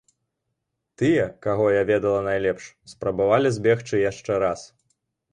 Тыя, каго я ведала найлепш, спрабавалі збегчы яшчэ раз.